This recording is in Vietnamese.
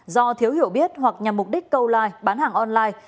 do thiếu hiểu biết hoặc nhằm mục đích câu like bán hàng online